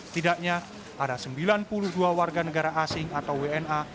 tidaknya ada sembilan puluh dua warga negara asing atau wna